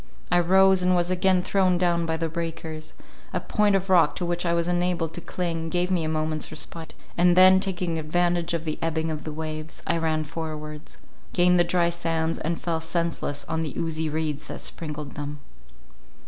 I rose, and was again thrown down by the breakers—a point of rock to which I was enabled to cling, gave me a moment's respite; and then, taking advantage of the ebbing of the waves, I ran forwards— gained the dry sands, and fell senseless on the oozy reeds that sprinkled them.